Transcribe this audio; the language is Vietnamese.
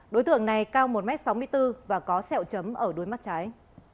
đối tượng này cao một m sáu mươi bốn và có sẹo chấm ở đuôi mắt trái